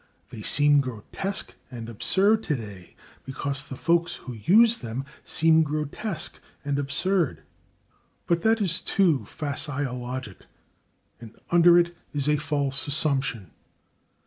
They seem grotesque and absurd today because the folks who use them seem grotesque and absurd. But that is a too facile logic and under it is a false assumption.